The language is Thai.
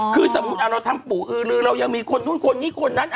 คือสมมุติเราทำปู่อือลือเรายังมีคนนู้นคนนี้คนนั้น